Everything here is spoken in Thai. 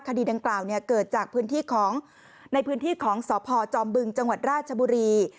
คดีดังกล่าวเกิดในพื้นที่ของสพจอมบึงจังหวัดราชบุรี